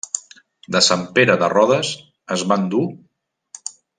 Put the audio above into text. De Sant Pere de Rodes es va endur.